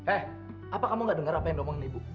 eh apa kamu nggak dengar apa yang dia omongin bu